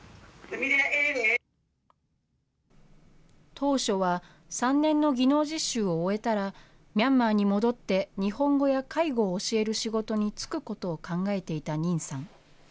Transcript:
当初は、３年の技能実習を終えたら、ミャンマーに戻って、日本語や介護を教える仕事に就くことを考えていたニンさん。